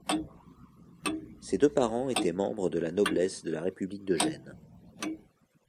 Ses deux parents étaient membre de la noblesse de la République de Gênes.